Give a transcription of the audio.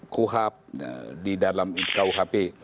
kuhap di dalam rukuhp